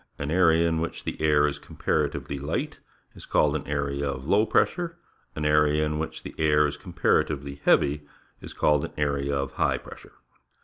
An area in which the air is comparatively light is called an area of lou} pressure. An area in which the air is comparatively heavy is called an area of high pressure.